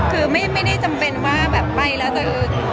คือไม่ได้จำเป็นว่าแบบไปแล้วจะ